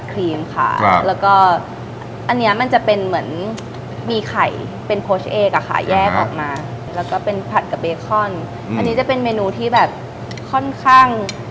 กลิ่นของมันจะเปรี้ยวนิดหนึ่ง